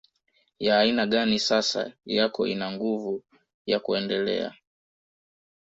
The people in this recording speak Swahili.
ya aina gani sasa yako ina nguvu ya kuendelea